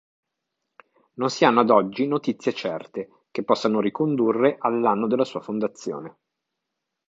Non si hanno ad oggi notizie certe, che possano ricondurre all'anno della sua fondazione.